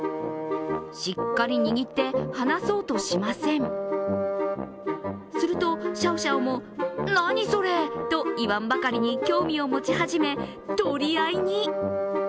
しっかり握って、放そうとしませんするとシャオシャオも、何それ？といわんばかりに興味を持ち始め、取り合いに。